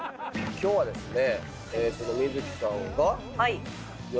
今日はですね。